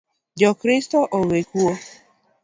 Jo Kristo owe kuo